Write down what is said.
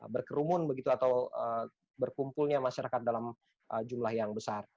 berkerumun begitu atau berkumpulnya masyarakat dalam jumlah yang besar